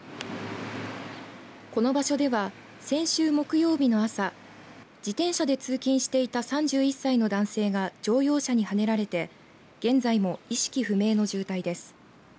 この場所では、先週木曜日の朝自転車で通勤していた３１歳の男性が乗用車にはねられて現在も意識不明の重体です。